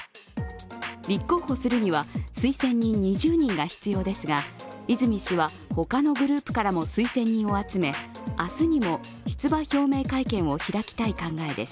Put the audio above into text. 立候補するには推薦人２０人が必要ですが泉氏は他のグループからも推薦人を集め、明日にも出馬表明会見を開きたい考えです。